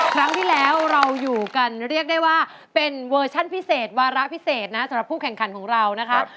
ครั้งที่แล้วเราอยู่กันเรียกได้ว่าเป็นเวอร์ชั่นพิเศษวาระพิเศษนะสำหรับผู้แข่งขันของเรานะคะ